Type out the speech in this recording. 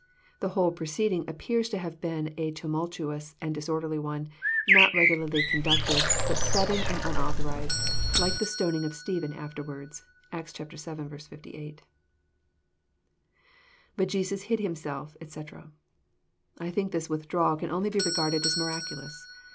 The whole proceeding appears to have been a tumultuous and disorderly one, not regularly conducted, but sudden and un authorized, like the stoning of Stephen afterwards. (Acts vii. 58.) IBiU Jesus hid himself, «to.] I think this withdrawal can only be regarded as miraculous.